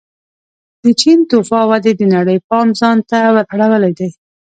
د چین توفا ودې د نړۍ پام ځان ته ور اړولی دی.